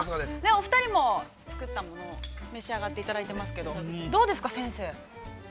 ◆お二人も作ったものを召し上がっていますけど、どうですか、先生。